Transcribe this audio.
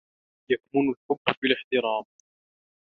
يكمن الحبّ في الاحترام.